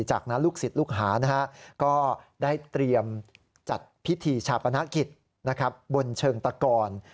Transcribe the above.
จากนั้นลูกศิษย์ลูกหาก็ได้เตรียมจัดพิธีชาปนกิจบนเชิงตะกร